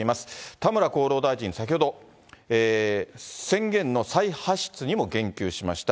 田村厚労大臣、先ほど、宣言の再発出にも言及しました。